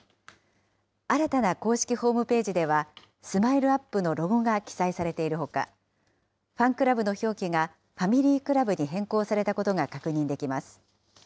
新たな公式ホームページでは、ＳＭＩＬＥーＵＰ．のロゴが記載されているほか、ファンクラブの表記が、ＦａｍｉｌｙＣｌｕｂに変更されたことが確認できます。